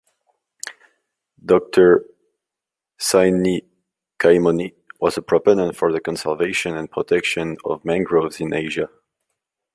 Doctor Thanikaimoni was a proponent for the conservation and protection of mangroves in Asia.